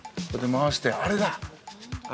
回して、あれだ。